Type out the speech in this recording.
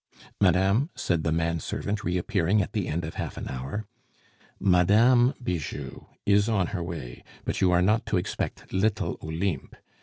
"Madame," said the man servant, reappearing at the end of half an hour, "Madame Bijou is on her way, but you are not to expect little Olympe.